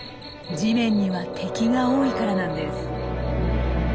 地面には敵が多いからなんです。